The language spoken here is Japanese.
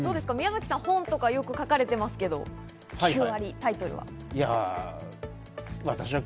宮崎さん、本とかよく書かれてますけど、９割タイトルは？